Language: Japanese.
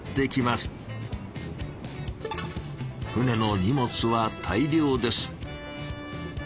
船の荷物は大量です。